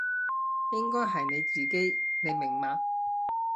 應該係你自己，你明嘛？